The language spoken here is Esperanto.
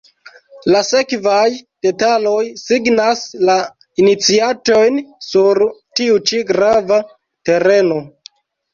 La sekvaj detaloj signas la iniciatojn sur tiu ĉi grava tereno.